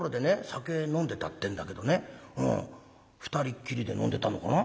酒飲んでたってんだけどね２人っきりで飲んでたのかな？